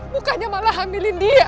bukannya malah hamilin dia